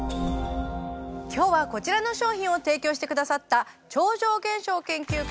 今日はこちらの商品を提供してくださった超常現象研究家